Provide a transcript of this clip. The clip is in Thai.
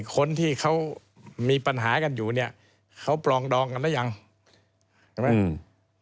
คนที่เขามีปัญหากันอยู่เนี้ยเขาปรองดองกันแล้วยังอืม